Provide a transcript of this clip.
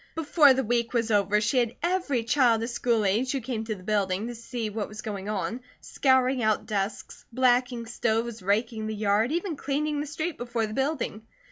Before the week was over she had every child of school age who came to the building to see what was going on, scouring out desks, blacking stoves, raking the yard, even cleaning the street before the building.